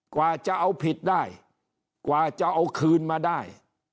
กว่าจะเอาผิดได้กว่าจะเอาคืนมาได้